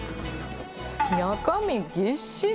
中身ぎっしり。